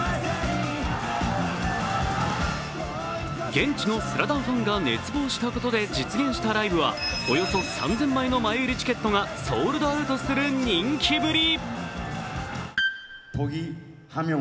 現地の「スラダン」ファンが熱望したことで実現したライブはおよそ３０００枚の前売りチケットがソールドアウトする人気ぶり。